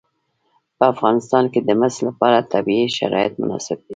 په افغانستان کې د مس لپاره طبیعي شرایط مناسب دي.